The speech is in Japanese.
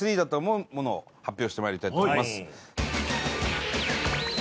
してまいりたいと思います